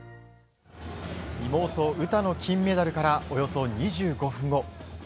妹・詩の金メダルからおよそ２５分後。